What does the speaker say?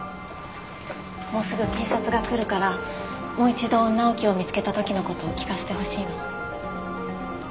もうすぐ警察が来るからもう一度直樹を見つけたときのことを聞かせてほしいの。